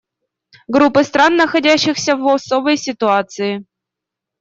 Группы стран, находящихся в особой ситуации.